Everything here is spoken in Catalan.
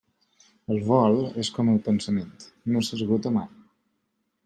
El vol és com el pensament: no s'esgota mai.